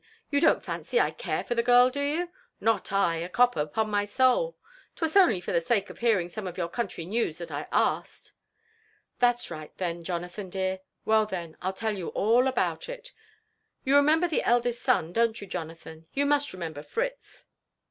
You don't fancy I care for the girl, do you ? Not I, a copper, upon mysoul. 'Twas only for the sake of hearing some of your country news that I asked." '* Thai's right, then, Jonathan dear. Well, then, I'll tel* you all about it. You remember the eldest son, don't you, Jonathan ? you must iremember Fritz?